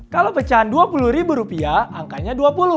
kalau pecahan dua puluh ribu rupiah angkanya dua puluh